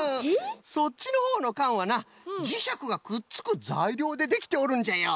そっちのほうのかんはなじしゃくがくっつくざいりょうでできておるんじゃよ。